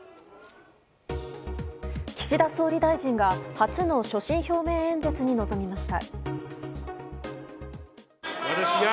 岸田総理大臣が初の所信表明演説に臨みました。